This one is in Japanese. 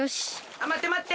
あっまってまって！